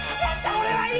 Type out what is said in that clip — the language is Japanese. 俺はいい！